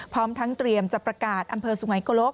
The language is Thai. พร้อมทั้งเตรียมจะประกาศอำเภอสุไงโกลก